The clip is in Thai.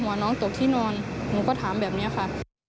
น้องตกที่นอนหนูก็ถามแบบนี้ค่ะ